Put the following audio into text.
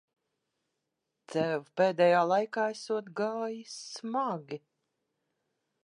Tev pēdējā laikā esot gājis smagi.